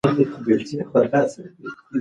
د ټولنیز فشار منل مه کوه.